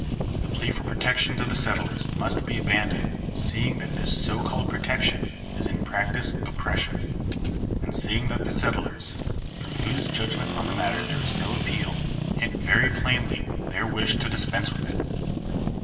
The plea for protection to the settlers must be abandoned ; seeing that this so called protection is in practice oppression; and seeing that the settlers, from whose judg ment on the matter there is no appeal, hint very plainly their wish to dispense with it.